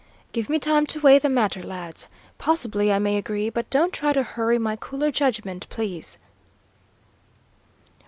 "Give me time to weigh the matter, lads. Possibly I may agree, but don't try to hurry my cooler judgment, please."